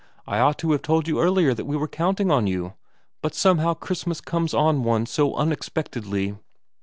I ought to have told you earlier that we were counting on you, but somehow Christmas comes on one so un expectedly.'